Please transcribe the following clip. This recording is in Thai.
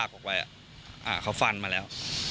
มันต้องการมาหาเรื่องมันจะมาแทงนะ